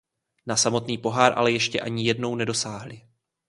Na samotný pohár ale ještě ani jednou nedosáhli.